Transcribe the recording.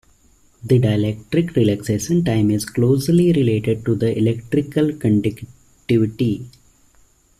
The dielectric relaxation time is closely related to the electrical conductivity.